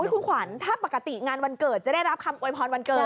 คุณขวัญถ้าปกติงานวันเกิดจะได้รับคำโวยพรวันเกิด